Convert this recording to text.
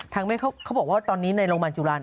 เขาบอกว่าตอนนี้ในโรงพยาบาลจุฬา